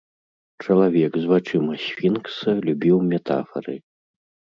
Чалавек з вачыма сфінкса любіў метафары.